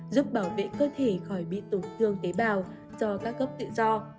giúp bảo vệ cơ thể khỏi bị tổn thương tế bào do các gốc tự do